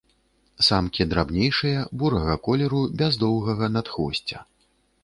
Самкі драбнейшыя, бурага колеру, без доўгага надхвосця.